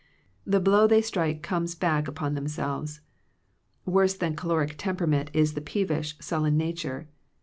The blow they strike comes back upon themselves. Worse than the choleric temperament is the peevish, sullen nature.